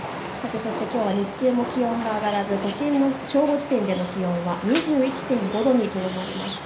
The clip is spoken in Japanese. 日中も気温が上がらず都心の正午時点の気温は２１．５度にとどまりました。